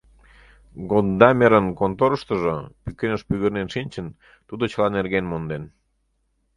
Годдамерын конторыштыжо, пӱкеныш пӱгырнен шинчын, тудо чыла нерген монден.